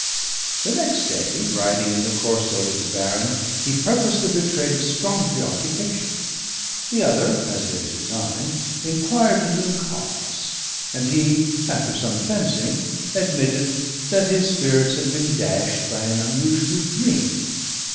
The next day, riding in the Corso with the baron, he purposely betrayed a strong preoccupation. The other (as he had designed) inquired into the cause; and he, after some fencing, admitted that his spirits had been dashed by an unusual dream.